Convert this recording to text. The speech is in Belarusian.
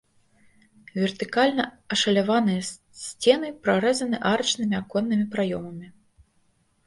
Вертыкальна ашаляваныя сцены прарэзаны арачнымі аконнымі праёмамі.